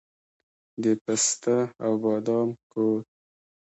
د پسته او بادام کور.